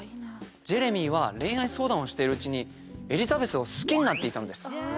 ジェレミーは恋愛相談をしてるうちにエリザベスを好きになっていたのです。